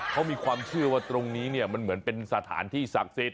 เขามีความเชื่อว่าตรงนี้เนี่ยมันเหมือนเป็นสถานที่ศักดิ์สิทธิ